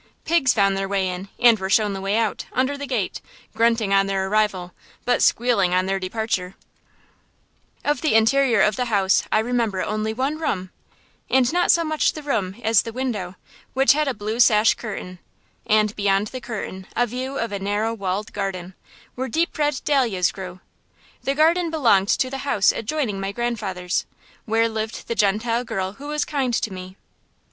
Pigs found their way in, and were shown the way out, under the gate; grunting on their arrival, but squealing on their departure. [Illustration: MY GRANDFATHER'S HOUSE, WHERE I WAS BORN] Of the interior of the house I remember only one room, and not so much the room as the window, which had a blue sash curtain, and beyond the curtain a view of a narrow, walled garden, where deep red dahlias grew. The garden belonged to the house adjoining my grandfather's, where lived the Gentile girl who was kind to me.